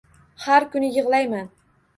Har kuni yig‘layman.